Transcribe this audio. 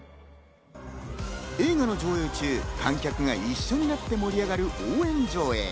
映画の上映中、観客が一緒になって盛り上がる応援上映。